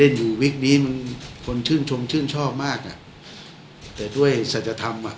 เล่นลูกวิกนี้มันคนชื่นชมชื่นชอบมากแต่ด้วยศัตรธรรมอ่ะ